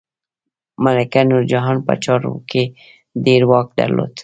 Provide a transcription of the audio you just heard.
ملکه نورجهان په چارو کې ډیر واک درلود.